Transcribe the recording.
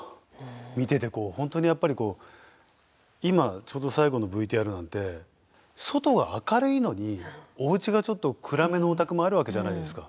見ててこう本当にやっぱり今ちょうど最後のＶＴＲなんて外が明るいのにおうちがちょっと暗めのお宅もあるわけじゃないですか。